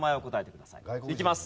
いきます。